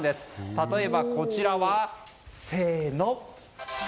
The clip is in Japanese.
例えばこちらは、せーの。